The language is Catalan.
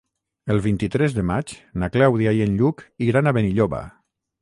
El vint-i-tres de maig na Clàudia i en Lluc iran a Benilloba.